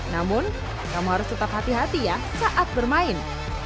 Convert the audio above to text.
namun kamu harus tetap hati hati ya saat bermain